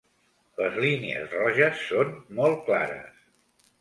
Les línies roges són molt clares.